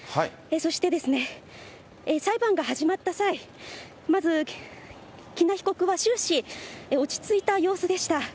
そしてですね、裁判が始まった際、まず、喜納被告は終始、落ち着いた様子でした。